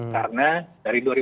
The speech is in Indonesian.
karena dari dua ribu delapan belas